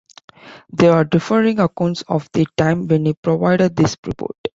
There are differing accounts of the time when he provided this report.